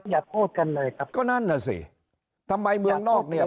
อย่าพูดกันเลยครับก็นั่นน่ะสิทำไมเมืองนอกเนี่ย